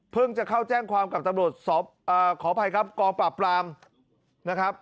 จะเข้าแจ้งความกับตำรวจขออภัยครับกองปราบปรามนะครับ